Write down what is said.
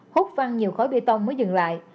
hút văng nhiều khói bê tông mới dừng lại